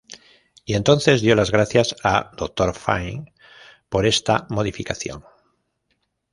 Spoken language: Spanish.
Y entonces dio las gracias a "Doctor Fine" por esta modificación.